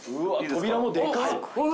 扉もでかっ。